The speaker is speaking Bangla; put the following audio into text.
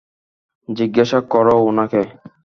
জিজ্ঞাসা কর ওনাকে।